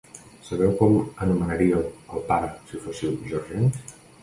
Sabeu com anomenaríeu al pare si fóssiu georgians?